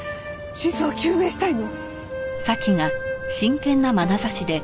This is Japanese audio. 真相を究明したいの。